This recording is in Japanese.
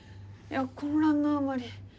混乱のあまり。